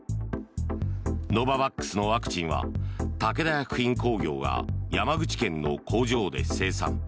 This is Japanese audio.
ノババックスのワクチンは武田薬品工業が山口県の工場で生産。